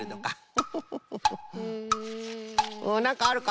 なんかあるか？